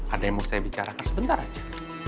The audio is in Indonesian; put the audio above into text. ada yang mau saya bicarakan sebentar aja